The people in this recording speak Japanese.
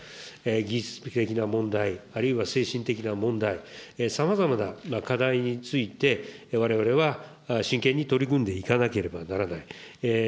技術的な問題、あるいは精神的な問題、さまざまな課題についてわれわれは真剣に取り組んでいかなければならない。